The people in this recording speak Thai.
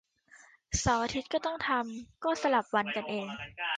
เสาร์อาทิตย์ก็ต้องทำ ก็สลับวันกันเอง